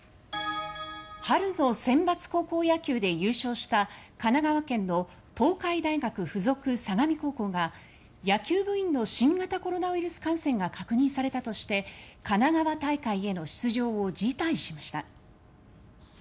春のセンバツ高校野球で優勝した神奈川県の東海大学付属相模高校が野球部員の新型コロナウイルス感染が確認されたとして神奈川大会への出場を辞退しました。